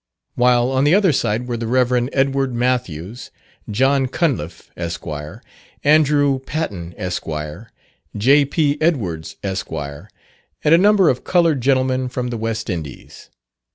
while on the other side were the Rev. Edward Mathews, John Cunliff, Esq., Andrew Paton, Esq., J.P. Edwards, Esq., and a number of coloured gentlemen from the West Indies.